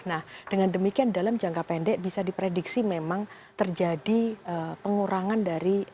nah dengan demikian dalam jangka pendek bisa diprediksi memang terjadi pengurangan dari